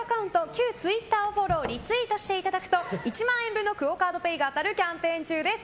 旧ツイッターをフォローリツイートしていただくと１万円分のＱＵＯカードＰａｙが当たるキャンペーン中です。